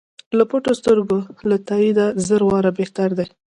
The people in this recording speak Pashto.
له پټو سترګو له تاییده زر واره بهتر دی.